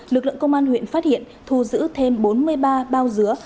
lực lượng công an huyện phát hiện thu giữ thêm bốn mươi ba bao dứa